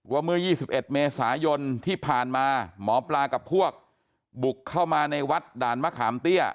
เมื่อ๒๑เมษายนที่ผ่านมาหมอปลากับพวกบุกเข้ามาในวัดด่านมะขามเตี้ย